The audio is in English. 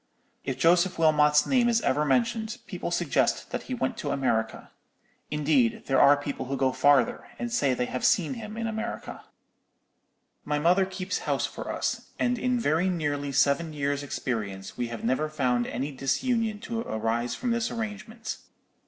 If Joseph Wilmot's name is ever mentioned, people suggest that he went to America; indeed, there are people who go farther, and say they have seen him in America. "My mother keeps house for us; and in very nearly seven years' experience we have never found any disunion to arise from this arrangement.